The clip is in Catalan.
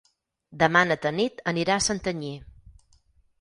Demà na Tanit anirà a Santanyí.